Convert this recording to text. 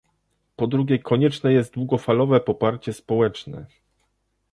Po drugie konieczne jest długofalowe poparcie społeczne